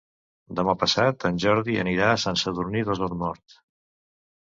Demà passat en Jordi anirà a Sant Sadurní d'Osormort.